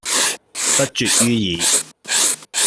不絕於耳